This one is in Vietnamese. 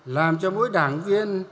làm cho mỗi đảng viên